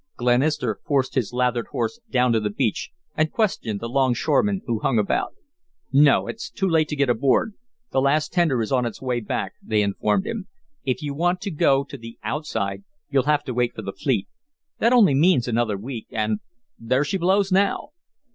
Glenister forced his lathered horse down to the beach and questioned the longshoremen who hung about. "No; it's too late to get aboard the last tender is on its way back," they informed him. "If you want to go to the 'outside' you'll have to wait for the fleet. That only means another week, and there she blows now."